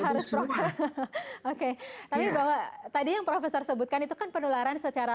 harus prokes ya tentu semua oke tadi yang profesor sebutkan itu kan penularan secara